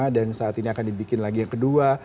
dan saat ini akan dibikin lagi yang kedua